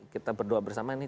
kita berdua bersama ini